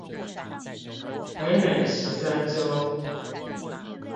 北美十三州